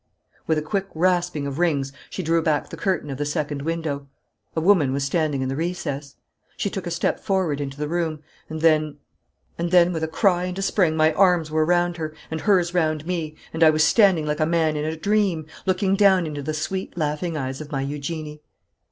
With a quick rasping of rings she drew back the curtain of the second window. A woman was standing in the recess. She took a step forward into the room, and then and then with a cry and a spring my arms were round her, and hers round me, and I was standing like a man in a dream, looking down into the sweet laughing eyes of my Eugenie.